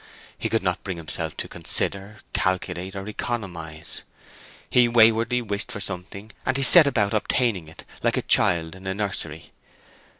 He could not bring himself to consider, calculate, or economize. He waywardly wished for something, and he set about obtaining it like a child in a nursery.